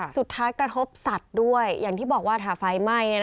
กระทบสัตว์ด้วยอย่างที่บอกว่าถ้าไฟไหม้